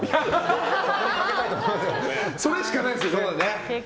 それしかないですね。